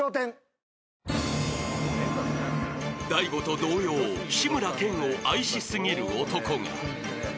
［大悟と同様志村けんを愛し過ぎる男が］